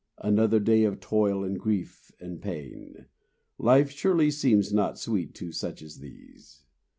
Another day of toil and grief and pain; Life surely seems not sweet to such as these!